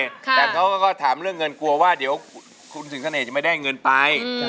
แต่เขาก็ถามเรื่องเงินกลัวว่าเดี๋ยวคุณสิงเสน่ห์จะไม่ได้เงินไป